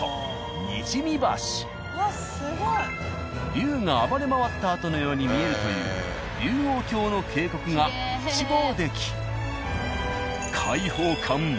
龍が暴れまわったあとのように見えるという龍王峡の渓谷が一望でき。